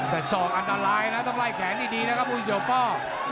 แต่ศอกอันตรายนะต้องไล่แขนดีนะครับผู้เสียพ่อ